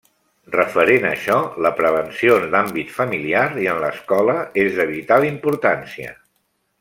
Referent a això, la prevenció en l'àmbit familiar i en l'escola és de vital importància.